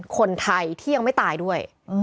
คนไทยที่ยังไม่ตายด้วย